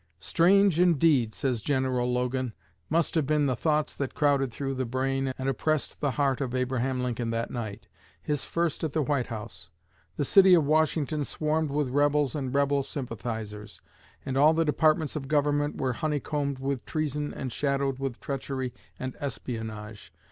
"Strange indeed," says General Logan, "must have been the thoughts that crowded through the brain and oppressed the heart of Abraham Lincoln that night his first at the White House. The City of Washington swarmed with rebels and rebel sympathizers, and all the departments of Government were honeycombed with treason and shadowed with treachery and espionage.